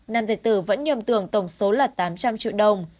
nam việt tử vẫn nhầm tưởng tổng số là tám trăm linh triệu đồng